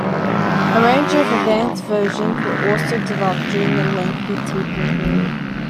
A range of advanced versions were also developed during the lengthy teething period.